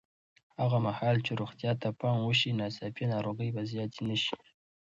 هغه مهال چې روغتیا ته پام وشي، ناڅاپي ناروغۍ به زیاتې نه شي.